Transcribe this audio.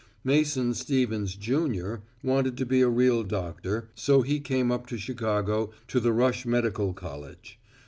Mason Stevens, Jr., wanted to be a real doctor, so he came up to Chicago to the Rush Medical College.